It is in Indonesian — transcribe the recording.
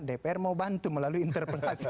dpr mau bantu melalui interpelasi